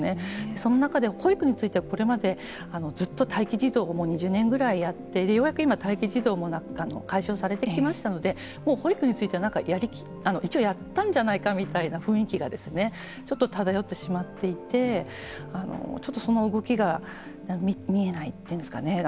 その中で保育についてはこれまでずっと待機児童をもう２０年以上やってようやく今、待機児童も解消されてきましたので保育については一応やったんじゃないかみたいな雰囲気がですねちょっと漂ってしまっていてちょっとその動きが見えないというんですかね。